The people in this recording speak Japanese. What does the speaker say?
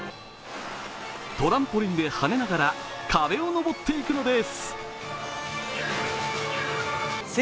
トランポリンで跳ねながら壁を登っていくのです。